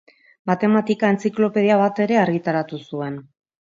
Matematika-entziklopedia bat ere argitaratu zuen.